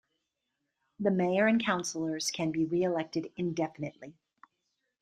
The mayor and councilors can be reelected indefinitely.